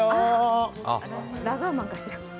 ラガーマンかしら。